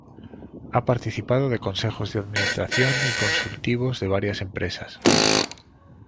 Ha participado de consejos de administración y consultivos de varias empresas.